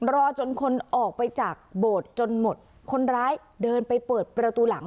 รอจนคนออกไปจากโบสถ์จนหมดคนร้ายเดินไปเปิดประตูหลัง